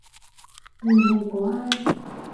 Đời này có ai